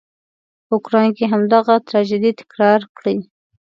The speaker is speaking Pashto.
په اوکراین کې همدغه تراژيدي تکرار کړي.